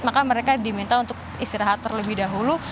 maka mereka diminta untuk istirahat terlebih dahulu